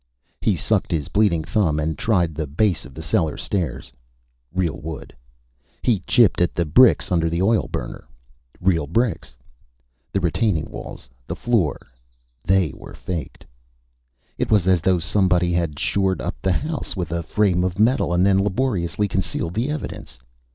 He sucked his bleeding thumb and tried the base of the cellar stairs. Real wood. He chipped at the bricks under the oil burner. Real bricks. The retaining walls, the floor they were faked. It was as though someone had shored up the house with a frame of metal and then laboriously concealed the evidence.